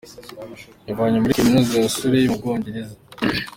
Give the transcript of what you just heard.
yavanye muri Kaminuza ya Surrey mu Bwongereza.